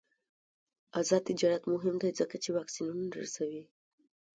آزاد تجارت مهم دی ځکه چې واکسینونه رسوي.